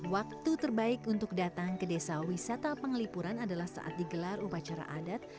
waktu terbaik untuk datang ke desa wisata penglipuran adalah saat digelar upacara adat